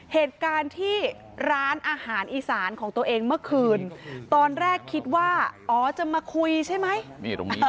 เหตุการณ์ที่ร้านอาหารอีสานของตัวเองเมื่อคืนตอนแรกคิดว่าอ๋อจะมาคุยใช่ไหม